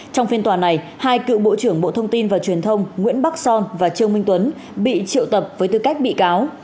trong phiên tòa này hai cựu bộ trưởng bộ thông tin và truyền thông nguyễn bắc son và trương minh tuấn bị triệu tập với tư cách bị cáo